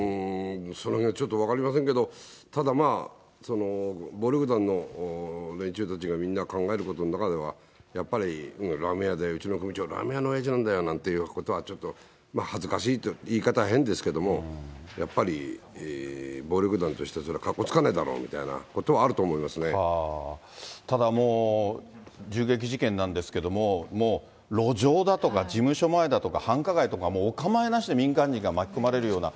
そのへんはちょっと分かりませんけれども、ただまあ、暴力団の連中たちがみんな考えることの中では、やっぱりラーメン屋でうちの組長、ラーメン屋のおやじなんだよっていうのは、ちょっと恥ずかしいと、言い方は変ですけれども、やっぱり暴力団としてはそれはかっこつかないだろうみたいなことただもう、銃撃事件なんですけれども、もう路上だとか、事務所前だとか、繁華街とかお構いなしで民間人が巻き込まれるような。